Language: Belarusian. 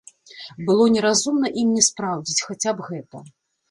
Было неразумна ім не спраўдзіць, хаця б гэта.